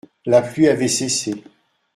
La pluie avait cessé.